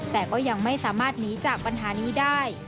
แต่ก็ยังไม่สามารถหนีจากปัญหานี้ได้